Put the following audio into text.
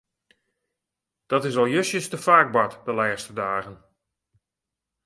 Dat is al justjes te faak bard de lêste dagen.